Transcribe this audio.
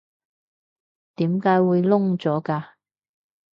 點解會燶咗㗎？